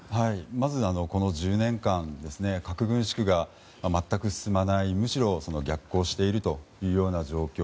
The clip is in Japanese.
まずこの１０年間核軍縮が全く進まないむしろ逆行している状況。